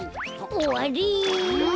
おわり！